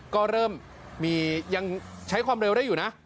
ก็เริ่มมียังใช้ความเร็วได้อยู่นะ